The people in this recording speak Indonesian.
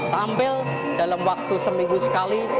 tampil dalam waktu seminggu sekali